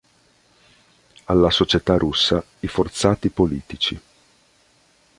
Alla società russa i forzati politici".